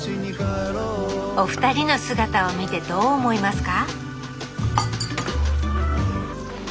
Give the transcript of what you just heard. お二人の姿を見てどう思いますか？